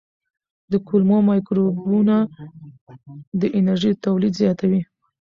د کولمو مایکروبونه د انرژۍ تولید زیاتوي.